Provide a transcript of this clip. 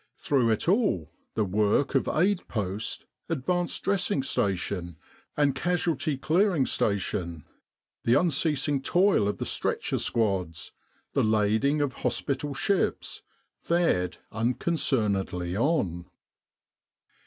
Through it all the work of aid post, advanced dressing station, and casualty clearing station, the unceasing toil of the stretcher squads, the lading of hospital ships, fared unconcernedly on.